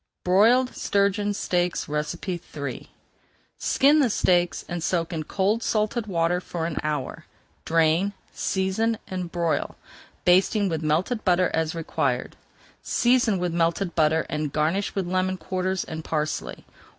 BROILED STURGEON STEAKS III Skin the steaks and soak in cold, salted water for an hour, drain, season, and broil, basting with melted butter as required. Season with melted butter and garnish with lemon quarters and parsley.